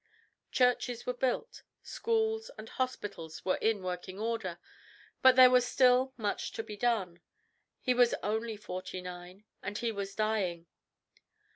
Churches were built, schools and hospitals were in working order, but there was still much to be done. He was only forty nine, and he was dying.